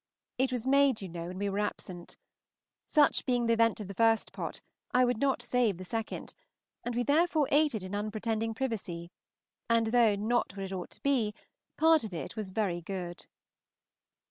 It was made, you know, when we were absent. Such being the event of the first pot, I would not save the second, and we therefore ate it in unpretending privacy; and though not what it ought to be, part of it was very good.